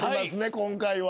今回は。